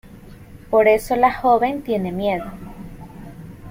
Por eso la joven tiene miedo.